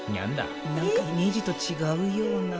何かイメージと違うような。